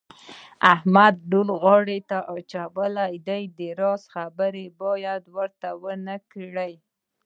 احمد ډول غاړې ته اچولی دی د راز خبره باید ورته ونه کړې.